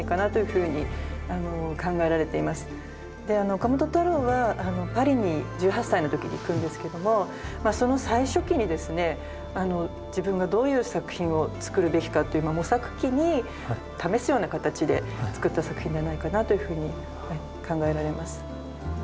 岡本太郎はパリに１８歳のときに行くんですけどもその最初期にですね自分がどういう作品を作るべきかという模索期に試すような形で作った作品ではないかなというふうに考えられます。